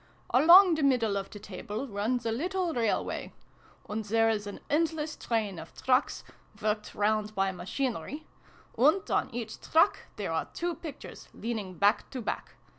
Along the middle of the table runs a little railway ; and there is an endless train of trucks, worked round by machinery ; and on each truck there are two pictures, lean ing back to back.